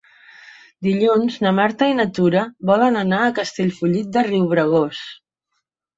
Dilluns na Marta i na Tura volen anar a Castellfollit de Riubregós.